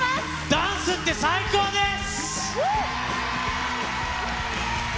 ダンスって最高です！